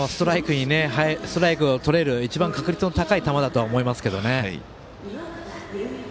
ストライクがとれる一番、確率の高い球だとは思いますけどね。